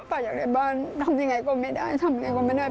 ป้าอยากได้บ้านทำอย่างนี้ก็ไม่มีปัญญาจัดจ่าย